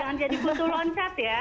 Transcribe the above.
jangan jadi foto loncat ya